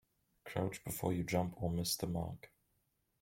Crouch before you jump or miss the mark.